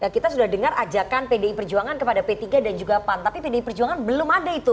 kita sudah dengar ajakan pdi perjuangan kepada p tiga dan juga pan tapi pdi perjuangan belum ada itu